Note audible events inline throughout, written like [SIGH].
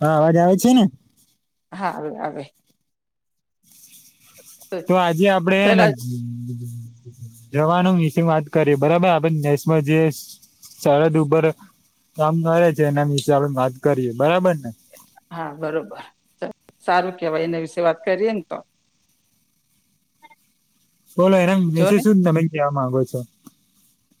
હા અવાજ આવે છે ને હા આવે તો આજે આપડે હેને ચલો જવાનો વિશે વાત કરીએ બરાબર આપદઈ દેશમાં જે સરદ ઉપર કામ કરે છે એના વિશે આપણે વાત કરીએ બરાબર ને હા બરોબર સારું કેવાય એના વિશે વાત કરીએ ને તો બોલો એના જો વિશે ને શું તમે કહેવા માંગો છો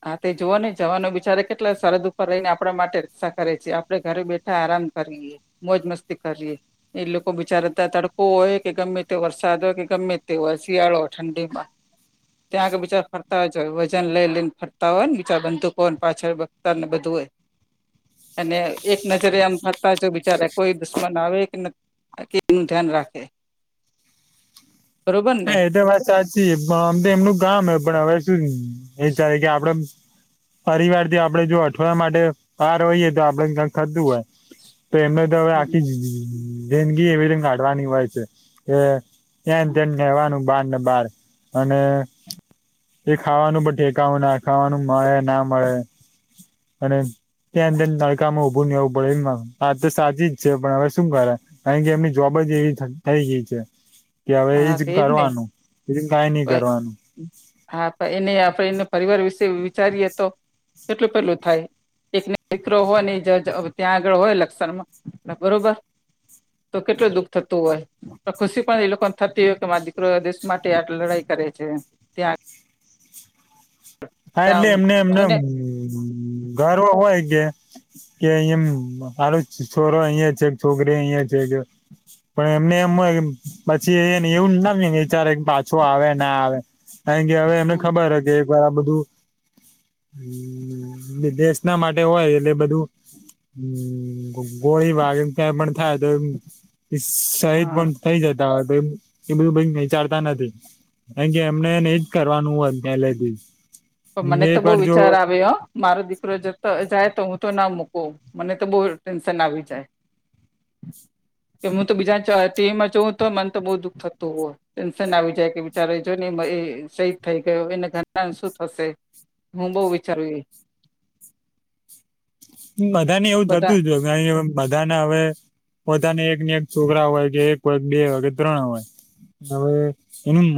હા તે જોવ નહ જવાનું બિચારે કેટલા સરહદ ઉપર રહીને આપણા માટે રક્ષા કરે છે આપડે ઘરે બેઠા આરામ કરીએ મોજ મસ્તી કરીએ એ લોકો બિચારાતા તડકો હોય કે ગમે તે વરસાદ હોય કે ગમે તેય શિયાળો હોય ઠંડીમાં ત્યા આગળ બીચાર ફરતા હોય છે વજન લઈ લઈ ફરતા હોય ને બિચાર [UNINTELLIGIBLE] ને બધું હોય અને એક નજરે આમ ફરતા જો વીચારે કોઈ દુશ્મન આવે કે નથી કે [INAUDIBLE] નનું ધ્યાન રાખે [UNINTELLIGIBLE] બરોબર ને હા એ તો વાત સાચી આમ તો એમનું ગામ હો પણ હવે શું એ ચાહે કે આપડે પરિવાર થી આપડણે જો અઠવાડિયા માટે બહાર હોઈએ તો આપડે કક થતું હોય તો એમને તો હમ આખી જિંદગી એવી રીત કાઢવાની હોય છે કે ત્યા ત. બારને બાર અને એ ખાવાનું પણ ઠેકાાવું ના ખાવાનું મળે ના મળે અને ત્યાં બેન તળકામાં ઊભું નહી એવું પડે એમા વાત તો સાચી જ છે પણ હવે શું કરે. કાકે એમની જોબ જ એવી થઈ ગઈ છે. કે હવે હા એજ તેજ ને કરવાનું એ કઈ નઈ પ- કરવાનું. હા પણ એને આપણે એનો પરિવાર વિશે વિચારીએ તો કેટલું પેલું થાય. એક દીકરો હોય ને જ ત્યાં આગળ હોય લક્ષણમાં બરોબર તો કેટલું દુઃખ થતું હોય તો ખુશી પણ એ લોકો થતી હોય કે મારો દીકરો એ દેશ માટે આ લડાઈ કરે છે ત્યાં. હા એટલે ત્યાં એમને એમને જોને ગર્વ હોય કે. કે એમ મારું છોરો અહિયાં છે છોકરી અહિયાં છે કે. પણ એમને એમ હોય પછી એ એવું ના વિચારે પાછો આવે ના આવે. કાયકે હવે એમને ખબર હે કે આ બધું. દ દેશ ના માટે હોય એટલે બધું. ગોળી વાગીને ક્યાં પણ થાય તો એ શહિદ હા પણ થઈ જતા હોય તો એ બધું વિચારતા નથી. કારણ કે એમનેને ઈજ કરવાનું હોય પેલા થીજ. પણ મને તો બહુ વિચાર આવે હો. મારો દીકરો જતો જાય તો હું તો ના મૂકુ મને તો બહુ ટેન્શન આવી જાય. [UNINTELLIGIBLE] કે હું તો બીજા ચ ટીવીમાં જઉું તો મન તો બહુ દુઃખ થતું હોય. ટેન્શન આવી જાય કે બિચારે જો ને એ શહીદ થઈ ગયો એને ઘરના નુ શું. હશે હું બહુ વિચારું ઈ. બધા ને એવું બધા થતું જ હોય બધાને હવે. પોતાને એક ને એક છોકરા હોય કે એક હોય બે હોય કે ત્રણ હોય. હવે એનું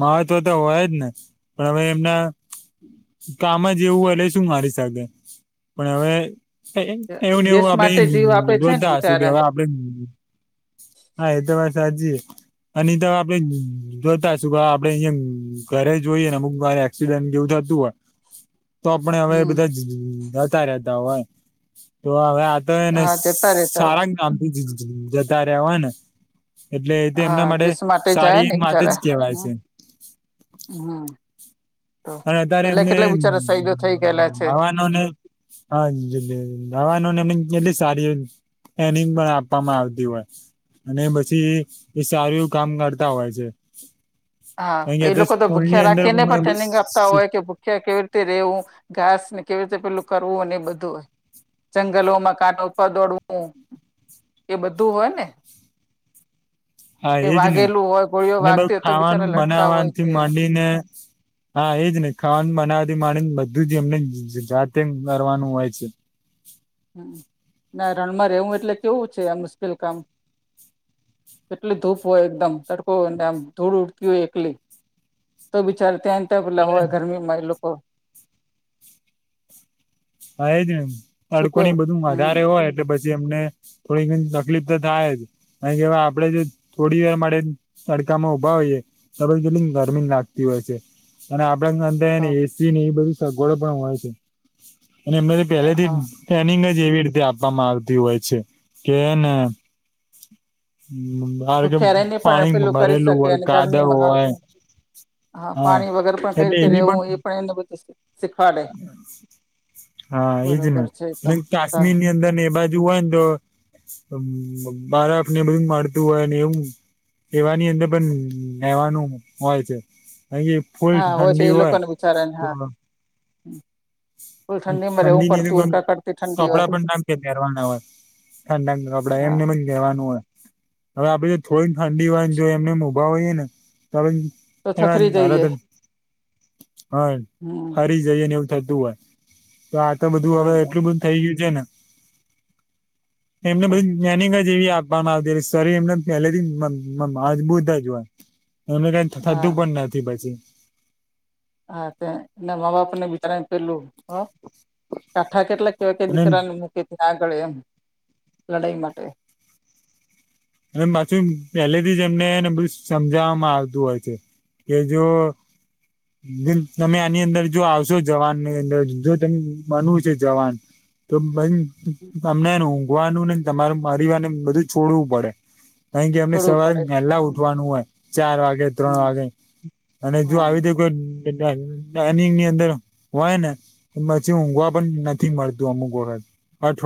મહત્વ તો હોય જ ને પણ હવે એમને કામાંજ એવું હોય એટલે શું મારી શકે પણ હવે એવું ને એવું દેશ આપડે માટે જીવ આપે છે ને જોતા હશુ કે બિચારા હવે આપડે હા એ તો વાત હાચી હે. અને તો આપડે જોતાશું કે આપડે અહિયાં ઘરે જોઈએ ને અમુક વારે. એક્સિડન્ટ જેવું થતું હોય તો આપણે હવે હમ બધા જતા રહેતા હોય. તો હવે આ તો એને હા જતા રેતા હોય સારા કામ થી જતા રહ્યા હોય ને. એટલે તો હા એમના માટે દેશ જાય સારી ને માત જ બિચારા કેહેવાય હમ છે. હમ. તો અને અત્યારે પેલા એમને કેટલા બિચારા શહીદો થઈ ગયેલા છે આવા નો ને. આજ [INAUDIBLE] અવાનુંમ એ કિટલી સારી. એનિંગ પણ આપવામાં આવતી હોય. અને પછી એ સારું એવું કામ કરતા હોય છે. હા કારણ એ કે લોકો તો સ્કૂલની ભૂખ્યા અંદર રાખીને પણ ટ્રેનિંગ આપતા હોય કે ભૂખ્યા કેવી રીતે રેવું. ઘાસ ને કેવી રીતે પેલું કરવું હોય ને એ બધું. જંગલો મકાનો ઉપર દોડવું એ બધું હોય ને. એ વાગેલું હોય ગોળીઓ વાગતી હોય તો બી. અન્ન બનાવવાથી માંડીને. હા એજ ને ખાવાનું બનાવવાથી માડીને બધું જ એમને જાતે કરવારનું હોય છે. હમ્મ, ના રણમાં રહેવું એટલે કેવું છે આ મુશ્કેલ કામ એટલી ધૂપ હોય એકદમ તડકો હોય નેમ ધૂળ ઉડતી હોય એકલી તો બિચાર ત્યાં ત્યાં પેલા હોય હા ગરમીમાં એ લોક હા એજ એ શું તડકો ની કેવું બધું હમ વધારે હોય એટલે બ જેમને થોડીક તકલીફ તો થાય જ. ને કેવાય આપડે જે થોડી વાર માટે તડકામાં ઉભા હોઈએ તો કેટલી ગરમી લાગતી હોય છે અને આપડે ન ફેન તો એ સી ને એ બધી સગવડો પણ હોય એમનેથી પહેલેથી હા ટ્રેનિંગ જ એવી રીતે આપવામાં આવતી હોય છે કે ને હમ્મ ધારો કે ભૂખ્યા રહીને પણ પાણી પેલું કરી ડૂબાડેલું શકે હોય અને કાદવ ગરમીમાં હા હોય હા પાણી વગર પણ કઈ એટલે રીતે એવી રહેવું એ પણ એમને બનશે હા એજ બરોબર છે તો ને કાશ્મીર ની અંદર ને એ બાજુ હોય ને તો બ-બરફ ને બધું પડતુ હોય ને એવું એવાની અંદર પણ રહેવાનું હોય છે. ફૂલ હા હોય છે ઠંડી એ લોકોને વિચારે છે હા હમ્મ. ઠંડી ની ઠંડી હોય કપડા પણ ના પહેરવાના હોય. ખા ના નબડા હા એમને મન કેવાનું હોય હવે આપડે જો થોડી ઠંડી વાય જો એમને ઊભા હોઈએ ને તો આપડી તો એમાં થથરી જઈએ નારાધન હ ન હમ હરી જઈ ને એવું થતું હોય તો આ તો બધું હવે બરોબર એટલું બધું થઈ ગયું છે ને એમને બધી ટ્રેનિંગ જ જેવી આપવામાં આવતી શરીર એમને પહેલેથી મ-મ-મજબૂત અજ હોય એમને કઈ થતું હા પણ નથી પછી. હા તે મા બાપ ને વિચાર ને કેટલું હ કાઠા કેટલા કેવાય કે અને દીકરાનું મુ કે ત્યાં આગળ એમ લડાઈ માટે અને પાછું પહેલેથી જ એમનેને બધું સમજવામાં આવતું હોય છે. કે જો તમે આની અંદર જો આવશો જવાન ની અંદર જો ત બનવું છે જવાન તો બન ફરી તમને ઊઘવાનું નને તમારે પરિવાર ને બધું છોડવું પડે અહી કે અમને છોડવું સવારે પડે વહેલા ઉઠવાનું હોય ચાર વાગે ત્રણ હમ વાગે અને જો હા આવી તો કોઈ ટ્રે-ટ્રેનિંગ અંદર હોય ને તો પછી ઊંઘવા પણ નથી મળતું અમુક વખત.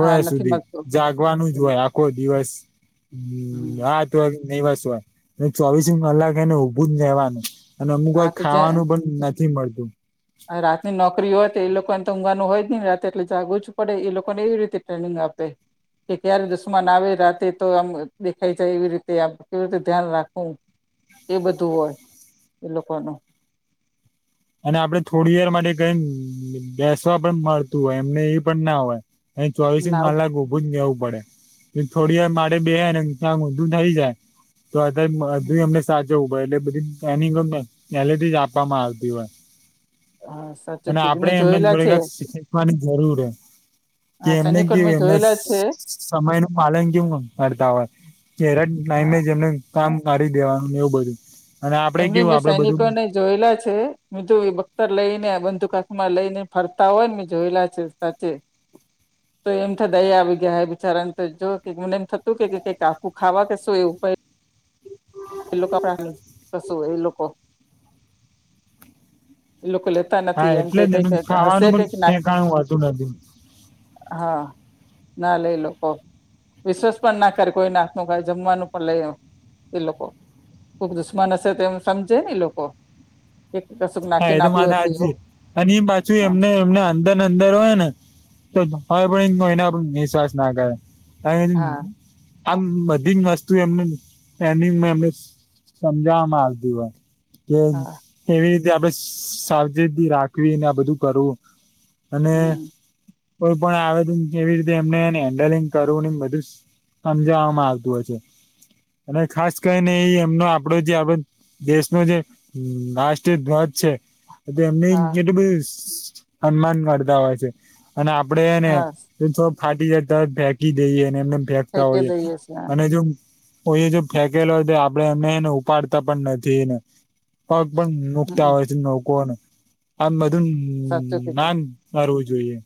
હા નથી સુધી મળતું જાગવાનું જ હમ હોય આખો દિવસ હમ્મ હમ રાત હોઈ કે દિવસ હોય ચોવીસ કલાક એને ઉભું જ નેવાનું અને અમુક હા વાર તો ખાવાનું પણ નથી મળતું. હા રાતની નોકરી હોય તો એ લોકોને તો ઊઘવાનું હોય જ નહી રાત્ર એટલે જાગવું પડે એ લોકોને એવી રીતે ટ્રેનિંગ આપે. કે ક્યારે દુશ્મન આવે રાતે તો આમ દેખાય જાય એવી રીતે આ કેવી રીતે ધ્યાન રાખવું. એ બધું હોય એ લોકોનું. અને આપડે થોડી વાર માટે કઈ બેસવા પણ મળતું હોય એમને એ પણ ના હોય. એ ચોવીસ ના કલાક ઊભું જ રેવું પડે. ને થોડી વાર માટે બે ને બધું થઈ જાય તો આ આઘું અમને સાચો ઉભા એટલે બધી એની ટ્રેનિંગ જ આપવામાં આવતી હોય. હા સાચું અને કીધું મેં આપડે એમને જોયેલા છે જોઈને શીખવાની જરૂર હૈ. કે હા એમને સૈનિકોને કેવું મેં એમના જોયેલા છે સમય નું પાલન કેવું કરતા હોય. કેરે ટાઇમે હા એમને કામ કરી દેવાનું એવું બધું અને આપડે એમની કેવું મેં આપડે બધું સૈનિકોને જોયેલા છે ઈતો બખતર લઈ ને બંધુકાક માં લઈ ને ફરતા હોય ને મેં જોયેલા છે સાચે [UNINTELLIGIBLE] તો એમ દયા આવી જાય બિચારાને તો જો મને એમ થતું કેઈક આખું ખાવા કે શું એવું કઈ હ એ લોકો આપણ ને કશું એ લોકો એ લોકો લે હા નથી એમ કે એટલે જ કઈક એનું હશે ખાવાનું કે પણ ઠેકાણું હોતું નથી હા ના લે લોકો વિશ્વાસ પણ ના કરે કોઈ ના હાથનું કઈ જમવાનું પણ લે એ લોકો ખુબ દુશ્મન હશે તેમ સમજે ને લોકો. કે કશુંક હા એ નાખીને તો વાત આપ્યું હશે એવું સાચી અને એ પાછું હા એમને એમને અંદર અંદર હોય ને તો પણ કોઈનો પર નિશ્વાસ ના કરે હા આમ બધી વસ્તુ એમને ટ્રેનિંગ મા એમને સમજાવામાં આવતી હોય કે હા એવી રીતે આપડે સાવચેતી રાખવી ને આ બધું કરવું. અને હમ કોઈ પણ આવે તો કેવી રીતે એમને હેન્ડલિંગ કરવું એ બધું સમજવામાં આવતું હોય છે. અને ખાસ કરીને એ એમનો આપડો જે આપ દેશનો જે રાષ્ જે ધ્વજ છે એમને હા કેટલું બધું સન્માન કરતા હોય છે. અને આપડેને હા ફાટી જાય તો ફેંકી દઈએ અને એમને ફેકતા ફેંકી હોઈએ દઈએ છીએ અને જો કોઈ એ જો ફેકેલો હોય તો આપડે એમને એને ઉપાડતા પણ નથી એને પગ પણ મુકતા હમ હોય છે નકોને આમ બધું સાચું કીધું ના કરવું જોઈએ.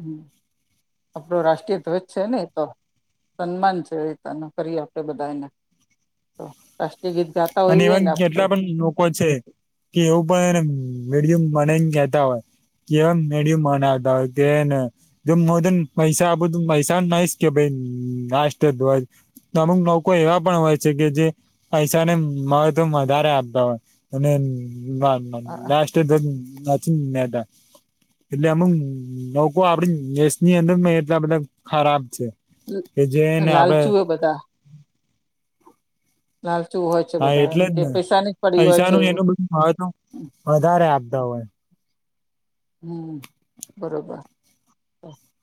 હ આપડો રાષ્ટ્રીય ધ્વજ છે ને એતો? સન્માન છે એ રી તનું કરી આપે બધાને તો રાષ્ટી ગીત ગાતા અને હોઈએ એવા ને આપડે કેટલા પણ લોકો છે. કે એવું પણને મીડિયમ મને કેતા હોય કેમ નડી મનાવતા હોય કેને જો મોદન પૈસા આપુ તો પૈસા નહી કે ભાઈ રાષ્ટ્રધ્વજ અમુક લોકો એવા પણ હોય છે કે જે પૈસા ને મહત્વ વધારે આપતા હોય અને રાષ્ટ્ર ધ્વજ નથી લેતા. એટલે અમુક લોકો આપડી દેશની અંદર એટલા બધા ખરાબ છે. કે જેને આપડે લાલચુ બધા લાલ ચુ હોય છે હા બધા એમ એટલે જ કે ને પૈસાની પડી હોય છે પૈસાનું એવું. એનું બધું મહત્વ વધારે આપતા હોય હમ બરોબર.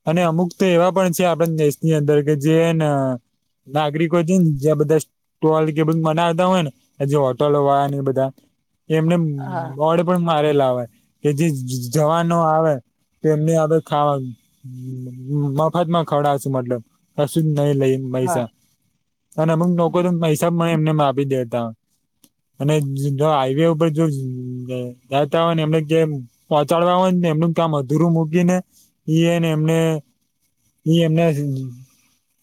અને અમુક તો એવા પણ છે આપણા દેશની અંદર કે જેને નાગરિકો છે ને જ્યાં બધા [UNINTELLIGIBLE] કે મનાવતા હોય ને જે હોટલો વાળા ને બધા એમને હા બોર્ડ પણ મારેલા હોય કે જે જવાનો આવે તો એમને અમે ખાવા મફતમાં ખવડાવસુ મતલબ કશું નહી લઈએ હા પૈસા અને અમુક લોકો હમ, તો પૈસા એમનેમ આપી દેતા અને જો હાઈવે ઉપર જો જતા હોય ને એમને કે પહોંચાડવા હોય ને એમનું કામ અધુરુ મૂકી ને ઈ એને એમને ઈ એમના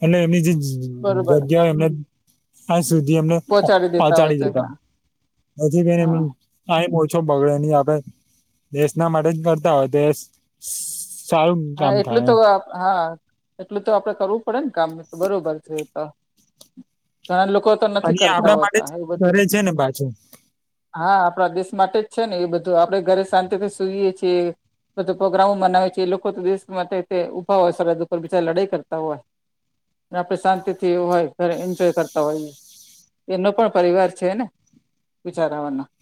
એલે એમની જે બરોબર જગ્યાએ એમને [UNINTELLIGIBLE] સુધી અએમને પહોંચાડી દેતા હોય છે પહોંચાડી જતા હા પછી હા [UNINTELLIGIBLE] ટાઈમ ઓછો બગડેની આપડે દેશના માટે જ કરતા હોય છે. હા એટલું તો હા એટલું તો આપડે કરવું પડે ને કામ તો બરોબર છે એ તો ઘણા લોકો તો અને નથી એ કરતા આપણા માટે જ હોતા એ બધું. કરે છે ને પાછું હા આપણા દેશ માટે જ છે ને એ બધું આપણેે ઘરે શાંતિ થી સુઈએ છીએ. પ્રોગ્રામો મનાવે છે એ લોકો દેશ માટે ઊભા હોય સરહદ ઉપર બીજા લડાઈ કરતા હોય. આપણે શાંતિ થીવ હોય ઘરે એન્જોય કરતા હોય. એનો પણ પરિવાર છે ને બીચારાવાનો- -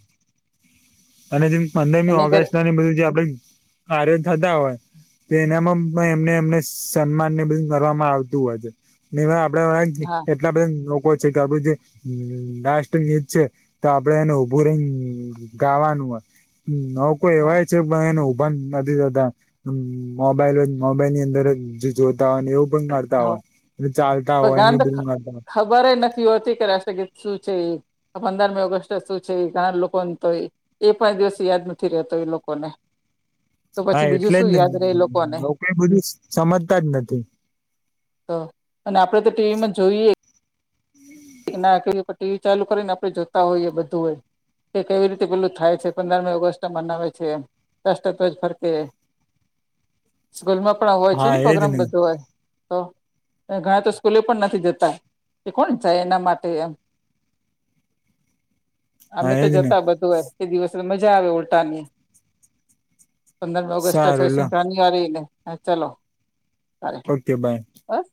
અને જે પંદરમી એની ઘરે ઓગસ્ટ ના બધું જે આપડ આર થતા હોય. તો એનામાં પણ એમને એમને સન્માન ને બધું કરવામાં આવતું હોય છે. આપડે હા એટલા બધા લોકો છે કે આપડું જે રા્ટ છે. તો આપડે એને ઊભું રહીને ગાવાનું હોય ન કોઈ હા એવાય- - ને ઉભા નથી જતા. મોબાઈલ મોબાઈલ ની અંદર જ જોતા હોય ને એવું. નડતા હા હોય ચાલતા હોય હોય ખબરે નથી હોતી કે રાષ્ટ્રગીત શું છે એ પંદરમી ઓગસ્ટે શું છે એ ચાર લોકોને તો એ પાંચ દિવસ યાદ નથી રહેતો એ લોકોને તો હા પછી બીજું એટલે જ શું ને યાદ રહે એ લોકોને લોકોઈ બધું સમજતા જ નથી. તો અને આપડે તો ટીવીમાં જોઈએ એ ના કરી ટીવી ચાલુ કરીને આપણે જોતા હોઈએ બધુંયે કે કેવી રીતે પેલું થાય છે પંદરમી ઓગસ્ટ મનાવે છે રાષ્ટ્રધ્વજ ફરકે [INAUDIBLE] સ્કૂલ માં પણ હોય છે હા ને એજ પ્રોગ્રામ બધું હોય તો ઘણા તો સ્કૂલે પણ નથી જતા એ કોન જાય એના માટે એમ અમે હા તો એજ ને જતા બધા એ દિવસ મજા આવે ઉલટાની પંદરમી ઓગસ્ટ સારું લો [UNINTELLIGIBLE] [UNINTELLIGIBLE] હ ચલો ઓકે બાય. બસ